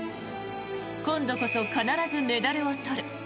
今度こそ必ずメダルを取る。